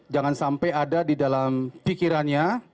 jangan sampai ada di dalam pikirannya